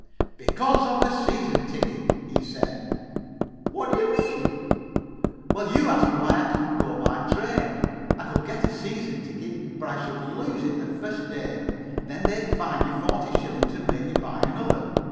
"Because of the season ticket," he said. "What do you mean?" "Well, you asked me why I couldn't go by train. I could get a season ticket, but I should lose it the first day. Then they fine you forty shillings, and make you buy another.